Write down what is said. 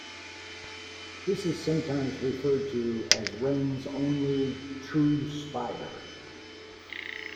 This is sometimes referred to as Wren's only "true spire".